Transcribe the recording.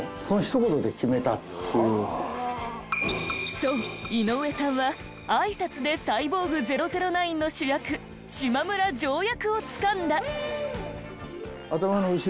そう井上さんはあいさつで『サイボーグ００９』の主役島村ジョー役をつかんだ！